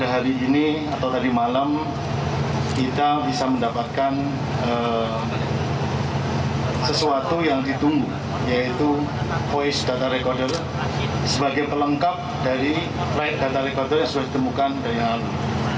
hari ini atau tadi malam kita bisa mendapatkan sesuatu yang ditunggu yaitu voice data recorder sebagai pelengkap dari flight data recorder yang sudah ditemukan dari yang lalu